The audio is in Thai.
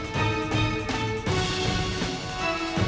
ลองอาบเลย